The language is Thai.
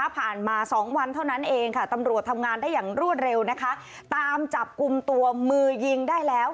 ผ่านมา๒วันเท่านั้นเองค่ะตำรวจทำงานได้อย่างรวดเร็วนะคะตามจับกลุ่มตัวมือยิงได้แล้ว